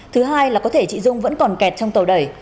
thứ hai là có thể chị dung vẫn còn kẹt trong tàu đẩy